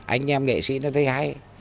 anh em nghệ sĩ nó thấy hay